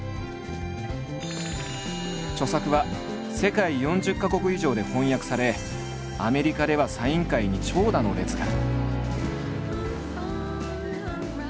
著作は世界４０か国以上で翻訳されアメリカではサイン会に長蛇の列が。